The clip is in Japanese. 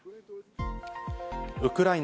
ウクライナ